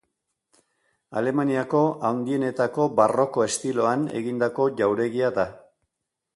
Alemaniako handienetako Barroko estiloan egindako Jauregia da.